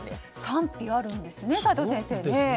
賛否あるんですね齋藤先生。